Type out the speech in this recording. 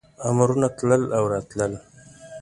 امرونه تلل او راتلل.